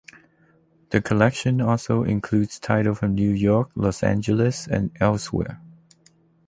The collection also includes titles from New York, Los Angeles, and elsewhere.